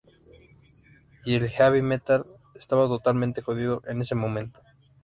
Y el "heavy metal" estaba totalmente jodido en ese momento.